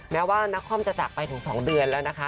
แม้ว่านักคอมจะจากไปถึง๒เดือนแล้วนะคะ